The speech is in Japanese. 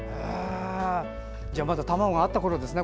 まだ卵があったころですね